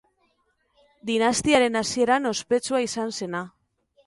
Dinastiaren hasieran ospetsua izan zena.